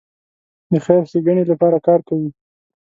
د خیر ښېګڼې لپاره کار کوي.